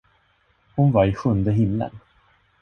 Hon var i sjunde himlen.